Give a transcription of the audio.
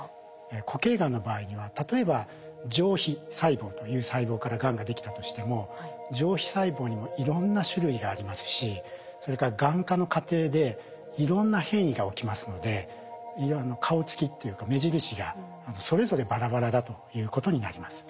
固形がんの場合には例えば上皮細胞という細胞からがんができたとしても上皮細胞にもいろんな種類がありますしそれからがん化の過程でいろんな変異が起きますので顔つきっていうか目印がそれぞれバラバラだということになります。